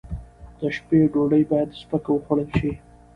د شپې ډوډۍ باید سپکه وخوړل شي.